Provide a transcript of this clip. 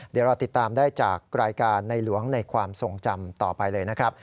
เดี๋ยวเราติดตามได้จากรายการในหลวงในความทรงจำต่อไปเลยนะครับ